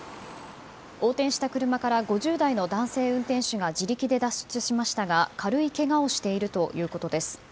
横転した車から５０代の男性運転手が自力で脱出しましたが軽いけがをしているということです。